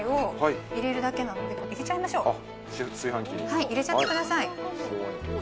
はい入れちゃってください